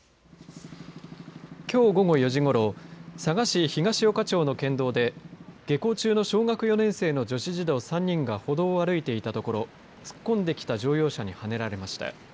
きょう午後４時ごろ佐賀市東与賀町の県道で下校中の小学４年生の女子児童３人が歩道を歩いていたところ突っ込んできた乗用車にはねられました。